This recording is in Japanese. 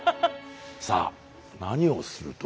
さあ何をすると。